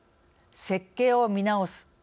設計を見直す。